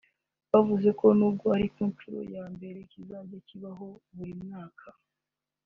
bavuze ko nubwo ari ku nshuro ya mbere kizajya kibaho buri mwaka